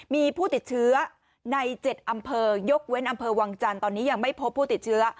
มีผู้ติดเชื้อใน๗อำเภอยกเว้นอำเภอวังจันทร์ตอนนี้ยังไม่พบผู้ติดเชื้อ